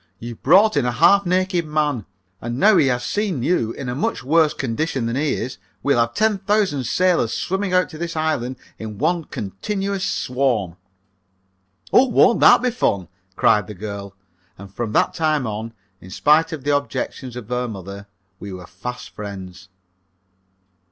"You've brought in a half naked man, and now that he has seen you in a much worse condition than he is, we'll have ten thousand sailors swimming out to this island in one continuous swarm." "Oh, won't that be fun!" cried the girl. And from that time on, in spite of the objections of her mother, we were fast friends.